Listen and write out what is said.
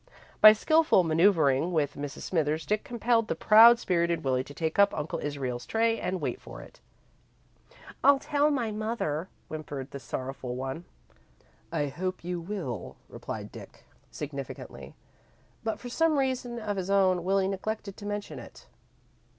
By skilful manoeuvring with Mrs. Smithers, Dick compelled the proud spirited Willie to take up Uncle Israel's tray and wait for it. "I'll tell my mother," whimpered the sorrowful one. "I hope you will," replied Dick, significantly; but for some reason of his own, Willie neglected to mention it.